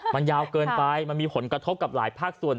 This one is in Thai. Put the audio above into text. มันยาวเกินไปมันมีผลกระทบกับหลายภาคส่วน